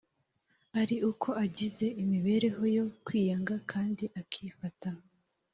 ari uko agize imibereho yo kwiyanga kandi akifata